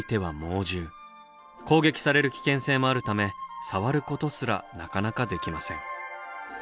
攻撃される危険性もあるため触ることすらなかなかできません。